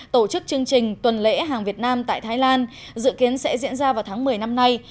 tổ chức chương trình tuần lễ hàng việt nam tại thái lan dự kiến sẽ diễn ra vào tháng một mươi năm nay